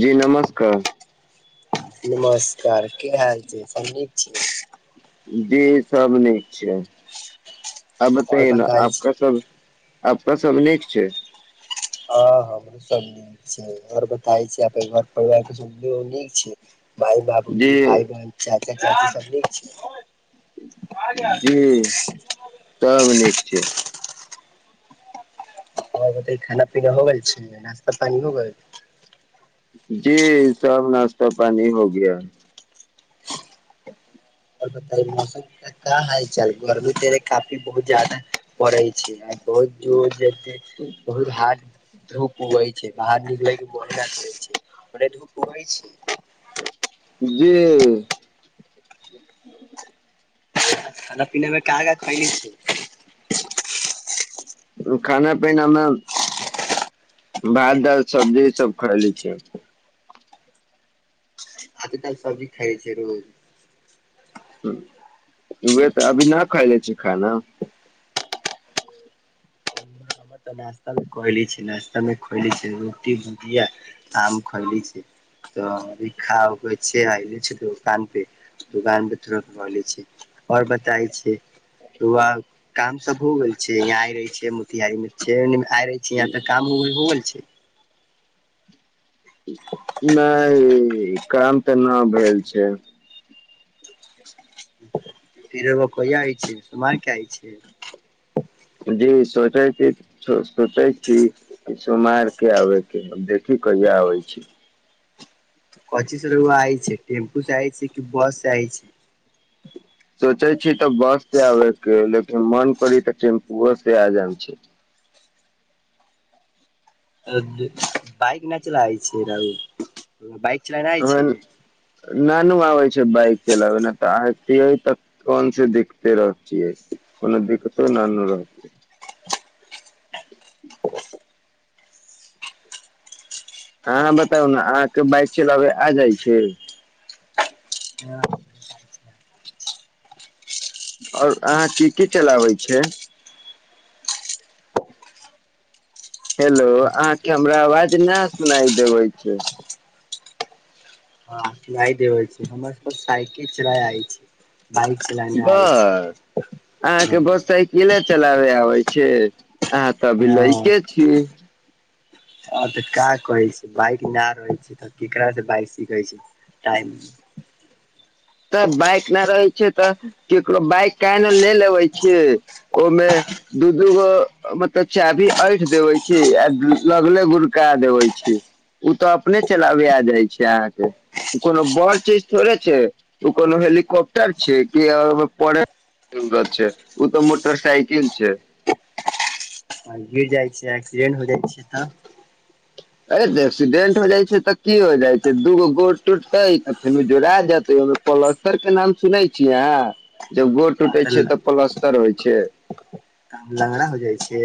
जी नमस्कार नमस्कार की हाल छै सब नीक छी जी सब नीक छै आ आओर बताइए न बताय छी आपका सब आपना का सब नीक छै हँ हमरो सब नीक छै आओर बताय छी घर परिवार के नीक छै भइ जी बाबूजी भाइ बन चाचा चाची सब नीक छै जी तब नीक छै आ बताय खाना पीना हो गेल छै नाास्ता पानी हो गेल जी सब नाश्ता पानी हो गया आओर बता मौसम त कहाँ हाल चाल गर्मी ते काफी बहुत जादा पड़ै छै बहुत जोर जे बहुत हार्ड धूप उगै छै बाहर निकलैके मोन कर होै छै ओने धूप उगै छै जी खाना पीना मे का खाने छी खाना पीनामे भात दाल सब्जी सब खयली छै भाते दाल सब्जी खाइ छै रोज ह उह तऽ अभी न खाले छी खाना हमर तऽ नश्ता में क ले छी न हमरा खएले छी रोटी भुजीया आम खएले छी तऽ खाउ कह छै अइल छै तोकान पे दुकान पर तुरत बोले छी आओर बताय छी वह काम सब हो गेल छै यहाँ आय रहे छै मोतिहारी में आ रहे छै यहाँ त काम हो गेल छै नहि काम तऽ न भेल छै फिर एगो कोइआ आइ छै सुमार के आइ छै जी सोचै छी सोचै छी सोमार के आबे के देख की कहिआ आबै छी कोंची स रौवा आय छै टेम्पू से आय छै कि बस से आइ छै सोचे छी तऽ बस से आबे के लेकिन मन करी तऽ टेम्पूओ से आ जायम छै [inaudible] बाइक नहि चलाइ छै राउर बाइक चलाना आय छै हमरा नानू आबैछै बइक चलाबै ने चाहतियै तऽ कोन से देखिते रहतियै कोनो दिक्कतो ना नु रहते अहाँ बताउ ने अहाँके बाइक चलाबै आ जाइ छै हँ आओर अहाँ की की चलाबै छै हेलो अहाँके हमरा आवाज न सुनाई देबै छै जाइ दे छै हमर सब साइकिल चला आइ छै बाइक चलाने आइ बस छै अहाँके हं बस साइकिले चलाबे आबै छै अहाँ तऽ अभी लैके छीयै आ तऽ का कहै छै बाइक ना रहै छै तऽ केकर स बाइक सीखै छै टाइम [unintelligible] तऽ बाइक नहि रहै छै तऽ केकरो बाइक किये ने ले लेबे छियै ओहिमें दू दूगो मतलब चाभी ऐठ देबे छीयै आ लगले गुड़का देबे छियै ओ तऽ अपने चलाब आ जाइ छै अहाँके कोनो बड़ चीज थोड़े छै ओ कोनो हेलीकॉप्टर छै कि ओहि पढे जरूरत छै ओ तऽ मोटरसइकिल छै आ गिर जाइ छै एक्सीडेंट हो जाइ छै तऽ ए त एक्सीडेंट हो जाइ छै तऽ की हो जाइ छै दूगो गोड़ टूटते त फेर जोड़ा जेते पलस्तर के नाम सुनै छियै अहां जब गोड़ टूटे छै तऽ पलस्तर होइ छै आ लंगड़ा हो जाइ छै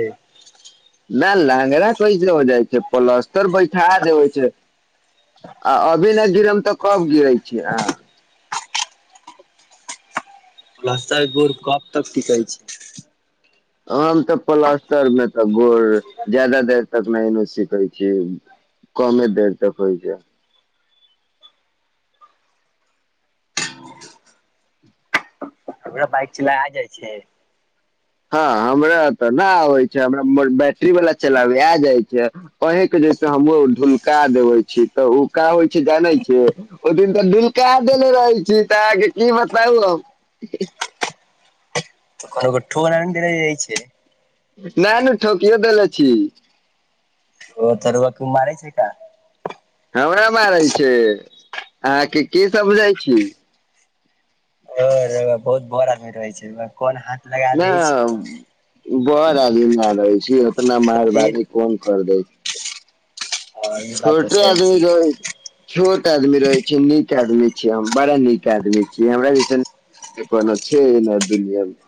न लांगराा कैसे हो जाइ छै प्लस्तर बैठा देबै छै आ अभी नहि गिरब तऽ कब गिरै छीयै आहां रस्ता गोर कब तक टिकै छै हम तऽ पलस्तर में तऽ गोड़ जादा देर तक नहि ए सिखै छी कमे देर तक होइ छै हमरा बाइक चला आ जाइ छै हँ हमरा तऽ न आबै छै हमरा बैटरी वाला चलाबे ऐ जाय छै अहीं के से हमु ढुलका देबय छी तऽ उ ओका होइ छै जाने छियै ओ दिन त ढूलका देल रहै छी तऽ अहां के की बताउ हम कनो के ठोड़ रैग देने रहय छियै नै नु ठोकियो देले छी ओ त रुउआ कुमारै छै का हमरा मारै छै अहाँ के की सब बुझै छी बहुत बड़ आदमी रहै छै कोन हाथ लगा दै छै नहि बड़ आदमी न रहै छी उतना तऽ फिर मेहरबानी कोन खरीदै हँ ई बात तऽ छोटे आदमी सही गै छोट आदमी रहैत छै नीक आदमी छियै हम बड़ा नीक आदमी छियै हमरा जेसन देखकना छैना दुनियामे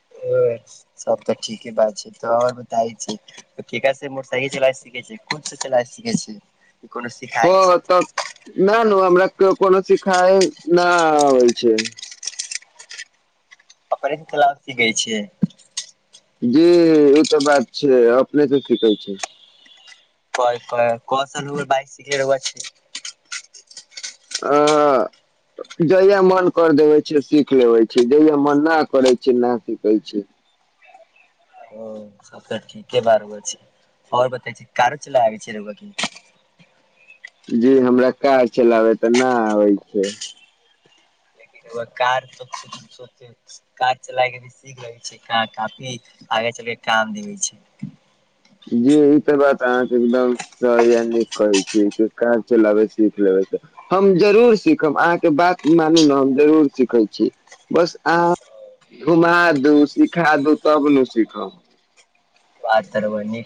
छै सब तऽ ठीके बात छै तो आओर बताय छी ठीका से मोटरसाइकिल चला सीखे छै खुद चला सीखै छै कोनो मे सिखइ ह छै तऽ न नहि हमरा कोनो शिखा न होइ छै परि तलाबी गई छैिय जी ई तऽ बात छै अपने तऽ सिखै छै क क क स बइक सिख रब छै ह ह जहिया मन कर देवे छै सीख लेबे छै जहिया मन नहि करे छै नहि सिखै छै [inaudible] ओ सब तऽ ठीके बारु छै आओर बताै छी कारो चला आबै छै रु क जी हमरा कार चलाबै तऽ नहि आबै छै कार कार चलाय के भी सीख लगै छै काफी आ ल काम देै छै जी ई तऽ बात अहाँके एकदम सहा नीक कहै छी कार चलाबे सीख लेबै हम जरूर सीखब अहाँके बात मानू ने हम जरूर सीखै छी बस अहाँ घुमा दू सिखा दू तब ने सिखब बात तरबर न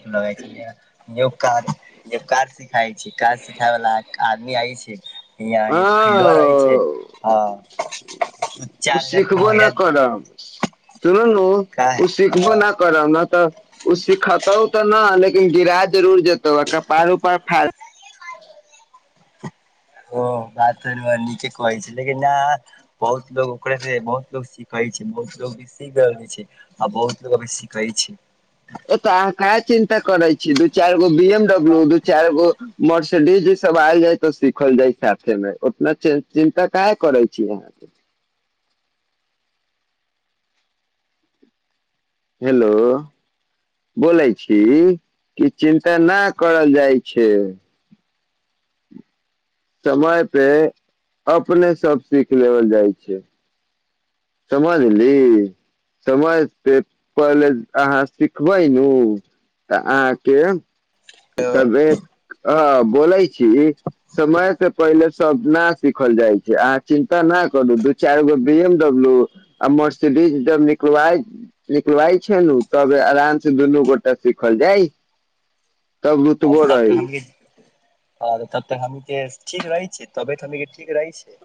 सिखई छै काज सिखाय वालला आदमी आ नई आहा के फीगर अछी रहै छै हँ ह ओ चार हजारके महिला दुन ओ सिखबो न करब तऽ ओ सिखतौ तऽ ने लेकिन गिरा जरूर जेतौ आ कपाड़ उपार फाड़ [inaudible] ओ बात त नीके कहै छै लेकिन न बहुत लो ओकरे से बहुत लोग सीखै छै बहुत लोग भी सीख रहल छै आ बहुत लोग अभी सिखै छै ए तऽ अहाँ क चिन्ता करै छी दू चारि गो बी एमडब्ल्यू दू चारि गो मर्सिडीज डी जी सब आयल जाय तऽ सिखल जाय साथे मे उतना चिन्ता काहे करै छी अह [inaudible] हेलो बोलै छी कि चिन्ता नहि करल जाइ छै समय पे अपने सब सीख लेल जाइ छै समझली समझते पहिले अहाँ सिखबै नू त आहा के तबे ह बोलै छी समय से पहिले सब न सिखल जाइ छै अहाँ चिन्ता न करू दू चारि गो बीएमडब्ल्यू ल आ मर्सिडीज ज निकल छै तब आराम से दुनू गोटा सिखल जाइ तऽ रुतबो रही ह तब तऽ हमी के ठीक रहै छै तब तऽ हमी के ठीक रहै छै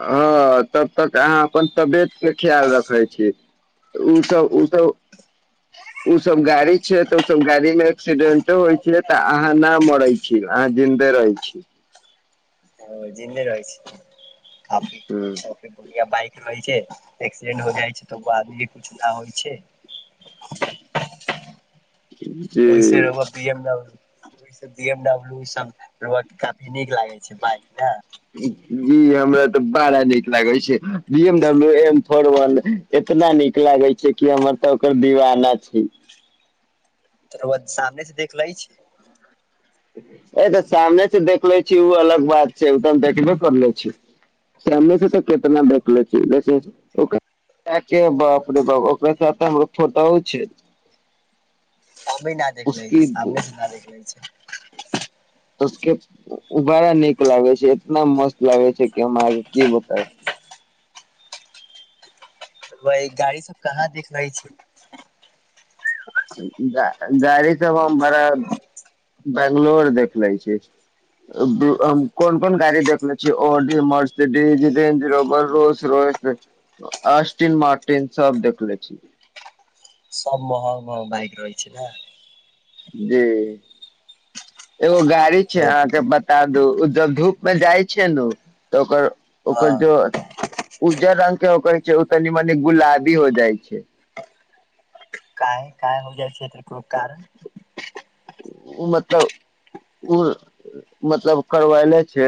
हँ तब तक अहाँ अपन तबियत के ख्याल रखै छी ओसभ ओसभ ओ सब गाड़ी छै तऽ ओ सब गाड़ी मे एक्सीडेंटो होइ छै तऽ अहाँ न मराई छी हँ जिन्दे रहै छी जिन्दे रहे छी ओ हँ सभ बाइक क कहै छै एक्सीडेंट हो जाइ छै तऽ ओ आदमी के कुछ नहि होइ छै [inaudible] ओइ से जी एगो बीएमडब्ल्यू ओ सब बी एमडब्लू ई सब ल काफी नीक लागे छै बाइक ने ई हमरा तऽ बड़ा नीक लागै छै B MW M four one इतना नीक लागे छै कि हमर तऽ ओकर दीवाना छै त रौआ सामने से देखलै छी अ तऽ सामने से देखले छी ओ अलग बात छै त हम देखबे करले छी सामने से तऽ केतना देखले छी लेकिन ओकरा के बाप रे बाप ओकरा साथ त हमर फोटोओ छै हमे न देख ले छै उसकी सामने से न देखले छै उसके उ बाड़ा नीक लागे छै एतना मस्त लागे छै कि हम आहाँ के की बताउ वहि गाड़ी सब कहाँ दिखै छै ग गाड़ी सब हम बरा बंगलोर देखले छियै हम कोन - कोन गाड़ी देखले छी Audi Mercedes Range Rover Rolls Royce Aston Martin सब देखले छी सब महग महग बाइक रहै छै न जी एगो गाड़ी छै अहाँके बता दू उ जब धूप मे जाइ छै ने ओ त ओकर ओकर हँ जो जे रंगग के होकरै छै ओ तनी मनी गुलाबी हो जाइ छै कय कय हो जाइ छै तेकरो कारण ऊ मतलब ऊ मतलब करबैले छै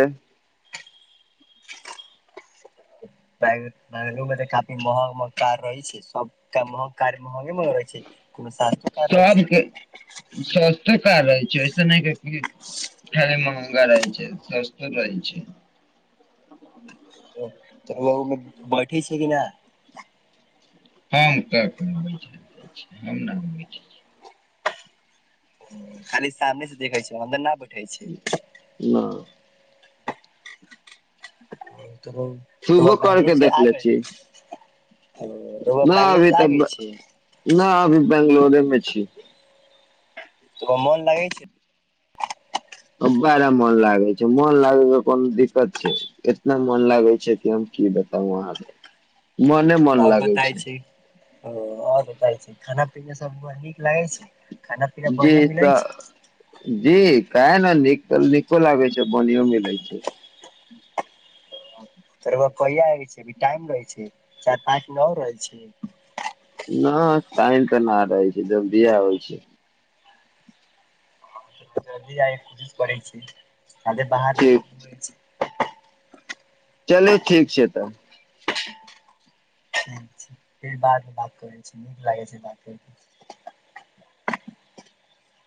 बेंगलूर मे तऽ कफी महग महग कार रहै छै सबटा महग कार महंगे मंग रहै छै कोनो सास्तो कार रहै छै रहल छियै ऐसे नहि क खाली महगा रहै छै सस्तो रहै छै तऽ अउआ उमे बैठे छी कि न हम का हम न ओहि पर बैठै छी खाली सामने से देखै छ छै अन्दर न बैठे छै ना तऽ छु रौआ ओ बैंगलोर करके से आ देखले छियै गेल रौआ नहि बैंगलोर अभी से आ तऽ गेल छै न अभी बंगलोरेमे छी तरा मोन लगै छै त बारा मन लागे छै मन लागे के कोनो दिक्कत छै एतना मन लागे छै कि हम की बताउ आहाके ओर बताय छै आओर बताई छै खाना पीना सब हमरा नीक लागे छै खाना पीना जी बढ़िया मिलै तऽ छै जी कने नीक नीको लागै छै बनियो मिलै छै त रोआ कहियै छै आबे छै की अभी टाइम रहै छै चारि पाँच दिन और रहै छै न टाइम तऽ न रहै छै जलदिये आबे छियै जल्दी आ जाय के कोशिश करै छीे आ जे बाहर लोक ठीक रहै छै चलू ठीक छै तब फिर बाद मे करे छि नीक लागै छै बात करे म